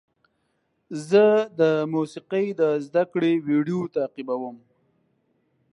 زه د موسیقۍ د زده کړې ویډیو تعقیبوم.